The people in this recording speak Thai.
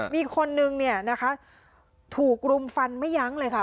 มีคนนึงเนี่ยนะคะถูกรุมฟันไม่ยั้งเลยค่ะ